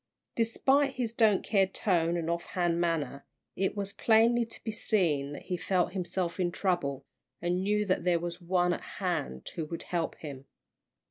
Despite his "don't care" tone, and off hand manner, it was plainly to be seen that he felt himself in trouble, and knew that there was one at hand who would help him.